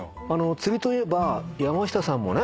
釣りといえば山下さんもね